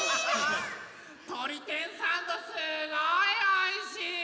とり天サンドすごいおいしい！